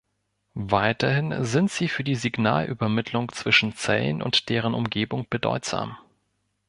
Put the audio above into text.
Weiterhin sind sie für die Signalübermittlung zwischen Zellen und deren Umgebung bedeutsam.